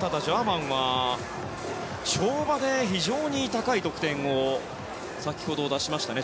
ただ、ジャーマンは跳馬で非常に高い得点を先ほど、出しましたね。